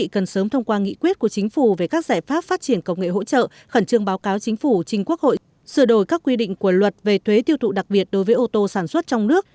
cần sớm thông qua nghị quyết của chính phủ về các giải pháp phát triển công nghệ hỗ trợ khẩn trương báo cáo chính phủ trình quốc hội sửa đổi các quy định của luật về thuế tiêu thụ đặc biệt đối với ô tô sản xuất trong nước